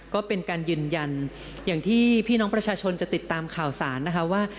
ก็เป็นการยืนยันอย่างที่พี่น้องประชาชนจะติดตามข่าวสารนะคะว่า